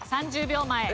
３０秒前。